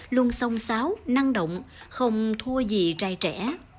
luôn sông sáo năng động không thua gì trai trẻ